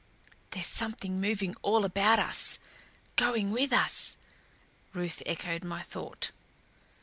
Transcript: "There's something moving all about us going with us," Ruth echoed my thought.